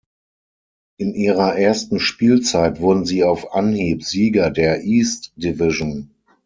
In ihrer ersten Spielzeit wurden sie auf Anhieb Sieger der East Division.